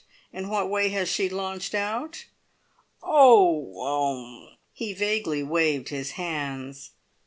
In what way has she `launched out'?" "Oh oh " he vaguely waved his hands.